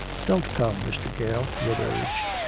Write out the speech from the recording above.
"Don't come, Mr. Gale," he had urged.